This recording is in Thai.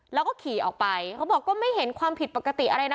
แล้วก็ขี่ออกไปเขาบอกก็ไม่เห็นความผิดปกติอะไรนะ